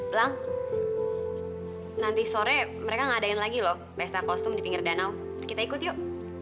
blang nanti sore mereka ngadain lagi loh pesta kostum di pinggir danau kita ikut yuk